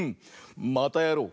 またやろう！